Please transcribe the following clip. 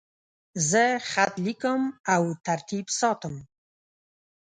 زه خط لیکم او ترتیب ساتم.